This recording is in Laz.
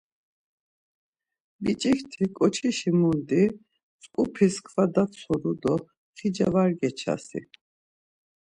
Biç̌ikti ǩoçişi mundi, mtzǩupis kva datzonu do xica var geçasi!